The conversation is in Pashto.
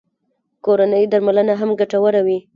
کورنۍ درملنه هم ګټوره وي